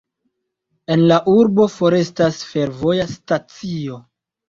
En la urbo forestas fervoja stacio.